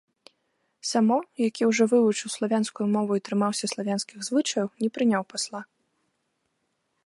Само, які ўжо вывучыў славянскую мову і трымаўся славянскіх звычаяў, не прыняў пасла.